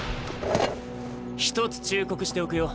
一つ忠告しておくよ